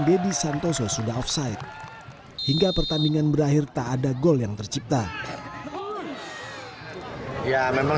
dedy santoso sudah offside hingga pertandingan berakhir tak ada gol yang tercipta ya memang